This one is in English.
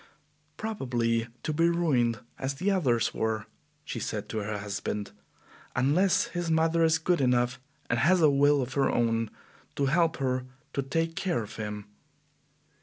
"Probably to be ruined as the others were," she said to her husband, "unless his mother is good enough and has a will of her own to help her to take care of him."